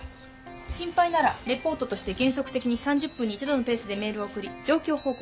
心配ならリポートとして原則的に３０分に一度のペースでメールを送り状況報告します。